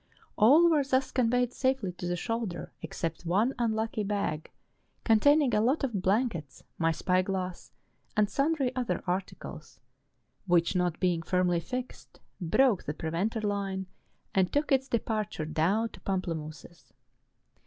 All were thus conveyed safely to the shoulder, except one unlucky bag, containing a lot of blankets, my PETER BOTTE. 259 spy glass, and sundry other articles, which not being firmly fixed, broke the preventer line, and took its departure down to Pamplemousses.